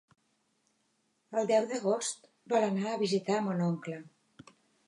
El deu d'agost vol anar a visitar mon oncle.